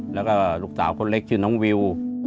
แล้วก็ลูกสาวคนเล็กชื่อน้องวิว